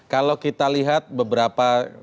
kalau kita lihat beberapa